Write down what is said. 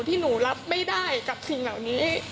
ที่หนูรับไม่ได้กับสิ่งเหล่านี้